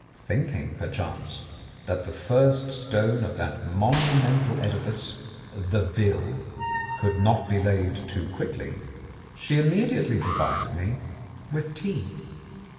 Thinking, perchance, that the first stone of that monumental edifice, the bill, could not be laid too quickly, she immediately provided me with tea.